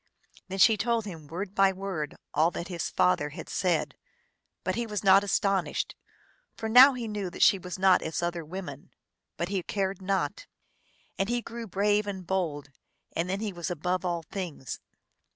Then she told him word by word all that his father had said; but he was not astonished, for now he knew that she was not as other women ; but he cared not. And he grew brave and bold, and then he was above all things.